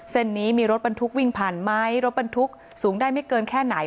เส้นนี้มีรถบรรทุกวิ่งผ่านไหมรถบรรทุกสูงได้ไม่เกินแค่ไหน